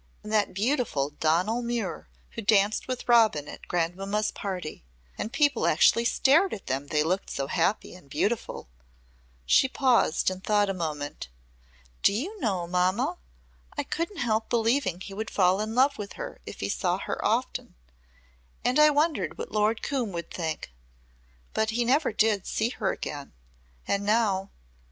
And that beautiful Donal Muir who danced with Robin at Grandmamma's party! And people actually stared at them, they looked so happy and beautiful." She paused and thought a moment. "Do you know, mamma, I couldn't help believing he would fall in love with her if he saw her often and I wondered what Lord Coombe would think. But he never did see her again. And now